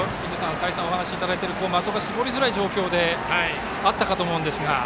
再三お話いただいている的が絞りづらい状況であったかと思いますが。